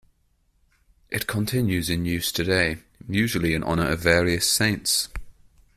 It continues in use today, usually in honor of various saints.